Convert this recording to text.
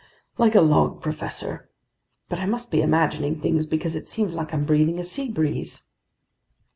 "Like a log, professor. But I must be imagining things, because it seems like I'm breathing a sea breeze!"